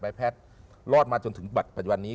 แพทย์รอดมาจนถึงบัตรปันวันนี้